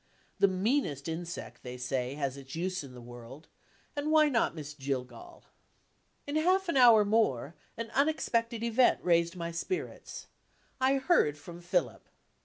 The meanest insect, they say, has its use in this world and why not Miss Jillgall? In half an hour more, an unexpected event raised my spirits. I heard from Philip.